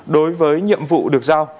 đối với nhiệm vụ được giao